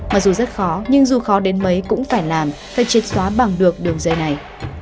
mặc dù rất khó nhưng dù khó đến mấy cũng phải làm phải triệt xóa bằng được đường dây này